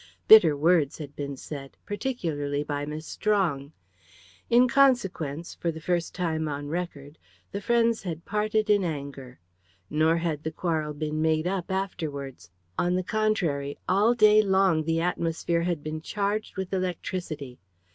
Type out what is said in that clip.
Bitter words had been said particularly by Miss Strong. In consequence, for the first time on record, the friends had parted in anger. Nor had the quarrel been made up afterwards. On the contrary, all day long the atmosphere had been charged with electricity.